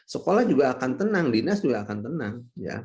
sekolah juga akan tenang dinas juga akan tenang